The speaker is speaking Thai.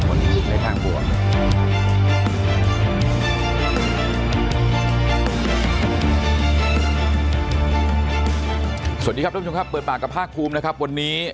สวัสดีครับทุกผู้ชมครับเปิดปากกับภาคภูมินะครับวันนี้